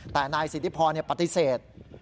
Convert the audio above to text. แต่นายสิทธิพรปฏิเสธ